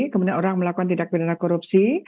kemudian orang melakukan tindak pidana korupsi